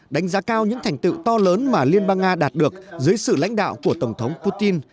đánh giá cao những thành tựu to lớn mà liên bang nga đạt được dưới sự lãnh đạo của tổng thống putin